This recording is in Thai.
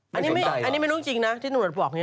ไม่สนใจอันนี้ไม่รู้จริงนะที่ตำรวจบอก